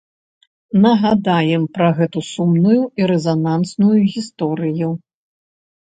Нагадаем пра гэту сумную і рэзанансную гісторыю.